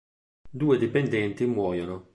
Due dipendenti muoiono.